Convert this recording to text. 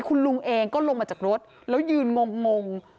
คุณลุงเองก็ลงมาจากรถแล้วยืนงง